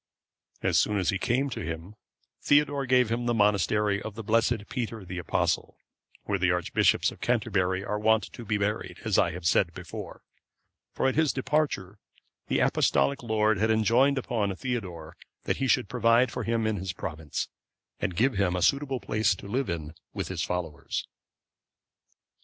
As soon as he came to him, Theodore gave him the monastery of the blessed Peter the Apostle,(535) where the archbishops of Canterbury are wont to be buried, as I have said before; for at his departure, the Apostolic lord had enjoined upon Theodore that he should provide for him in his province, and give him a suitable place to live in with his followers.